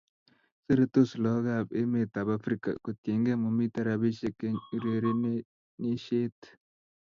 Seretos lakok ab Emet ab afrika kotienge mamiten rapishek en urerenishet